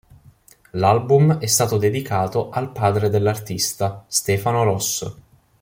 L'album è stato dedicato al padre dell'artista: Stefano Rosso.